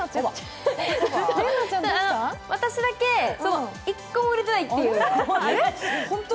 私だけ１個も売れてないっていう。